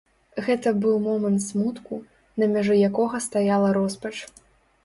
Гэта быў момант смутку, на мяжы якога стаяла роспач.